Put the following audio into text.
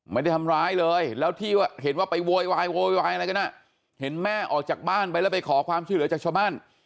ไม่ได้ทำร้ายเลยแล้วที่เห็นว่าไปโวยวายโวยวายอะไรกันเห็นแม่ออกจากบ้านไปแล้วไปขอความช่วยเหลือจากชาวบ้าน